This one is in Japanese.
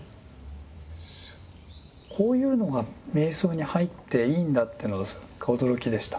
こういうのが瞑想に入っていいんだっていうのが驚きでした。